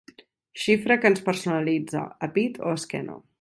Xifra que ens personalitza, a pit o esquena.